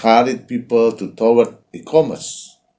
untuk mengembangkan e commerce